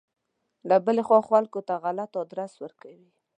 له بلې خوا خلکو ته غلط ادرس ورکوي.